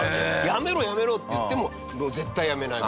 やめろ、やめろって言っても絶対やめない。